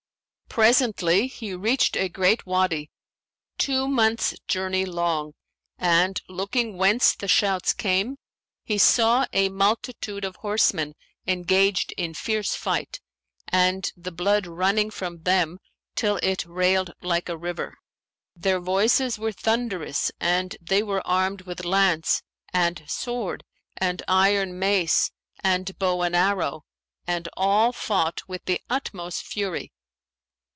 Presently he reached a great Wady, two months' journey long; and, looking whence the shouts came, he saw a multitude of horse men engaged in fierce fight and the blood running from them till it railed like a river. Their voices were thunderous and they were armed with lance and sword and iron mace and bow and arrow, and all fought with the utmost fury.